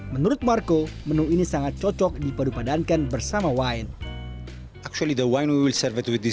menurut marco menu ini sangat cocok dipadupadankan bersama wine